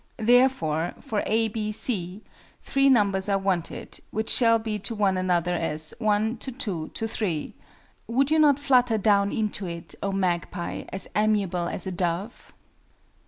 Therefore for A, B, C, three numbers are wanted which shall be to one another as 1:2:3," would you not flutter down into it, oh MAGPIE, as amiably as a Dove?